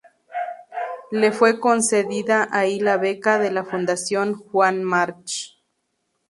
Le fue concedida ahí la beca de la Fundación Juan March.